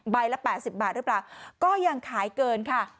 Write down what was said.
ใบละแปดสิบบาทหรือเปล่าก็ยังขายเกินค่ะ